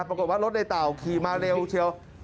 ปรากฏว่ารถในเต่าขี่มาเร็วเชียว